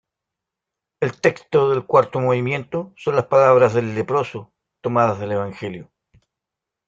El texto del cuarto movimiento son las palabras del leproso tomadas del evangelio.